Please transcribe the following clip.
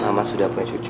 mama sudah punya cucu